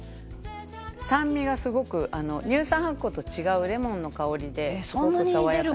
酸味がすごく乳酸発酵と違うレモンの香りですごく爽やかに。